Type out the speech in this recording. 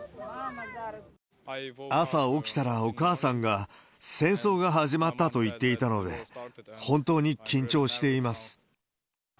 朝起きたらお母さんが、戦争が始まったと言っていたので、本当に緊張しています。